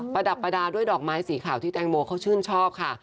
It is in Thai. ระดับประดาษด้วยดอกไม้สีขาวที่แตงโมเขาชื่นชอบค่ะ